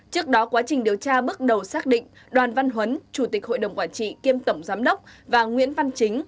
trước đó quá trình điều tra bước đầu xác định đoàn văn huấn chủ tịch hội đồng quản trị kiêm tổng giám đốc và nguyễn văn chính